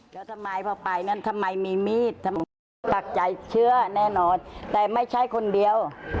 ใช่ถ้าทำก็โหดโหดมากเลย